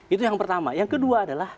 itu yang pertama yang kedua adalah